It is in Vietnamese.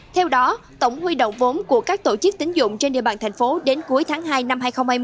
theo đó tổng huy động vốn của các tổ chức tính dụng trên đề bàn tp hcm đến cuối tháng hai năm hai nghìn hai mươi